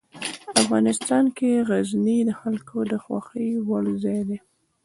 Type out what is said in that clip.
افغانستان کې غزني د خلکو د خوښې وړ ځای دی.